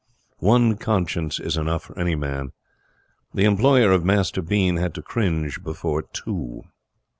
One conscience is enough for any man. The employer of Master Bean had to cringe before two.